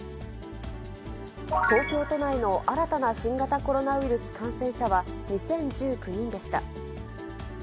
東京都内の新たな新型コロナウイルス感染者は２０１９人でした。